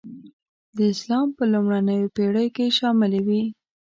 د اسلام په لومړنیو پېړیو کې شاملي وې.